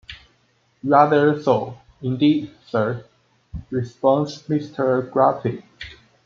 "Rather so, indeed, sir," responds Mr. Guppy.